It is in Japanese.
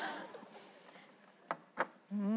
うん。